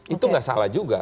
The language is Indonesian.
itu gak salah juga